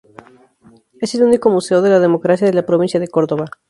Es el único museo de la democracia de la provincia de Córdoba.